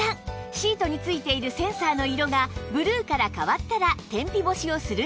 シートに付いているセンサーの色がブルーから変わったら天日干しをするだけ